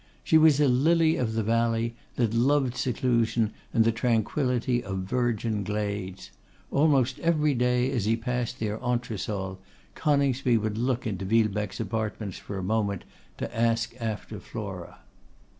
She was a lily of the valley, that loved seclusion and the tranquillity of virgin glades. Almost every day, as he passed their entresol, Coningsby would look into Villebecque's apartments for a moment, to ask after Flora.